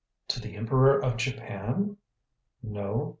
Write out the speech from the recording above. "To the Emperor of Japan?" "No.